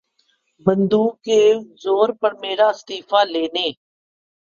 بندوق کے زور پر میرا استعفیٰ لینے